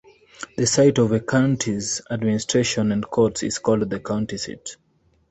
The site of a county's administration and courts is called the county seat.